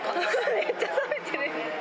めっちゃ食べてる。